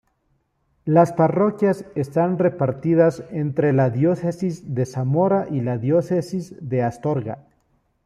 Las parroquias están repartidas entre la diócesis de Zamora y la diócesis de Astorga.